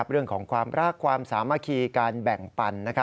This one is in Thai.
เรื่องของความรักความสามัคคีการแบ่งปัน